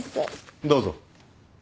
どうぞ。